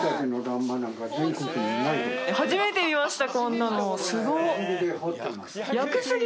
初めて見ました！